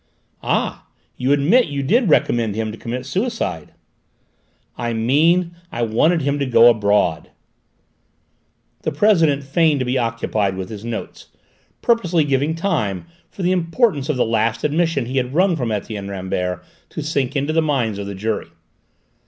"Ah, you admit you did recommend him to commit suicide?" "I mean I wanted him to go abroad." The president feigned to be occupied with his notes, purposely giving time for the importance of the last admission he had wrung from Etienne Rambert to sink into the minds of the jury.